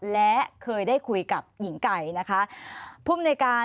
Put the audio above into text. และเคยได้คุยกับหญิงไก่นะคะ